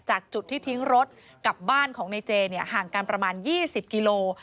จากจุดที่ทิ้งรถกับบ้านของในเจห่างกันประมาณ๒๐กิโล